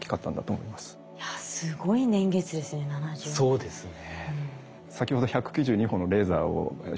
そうですね。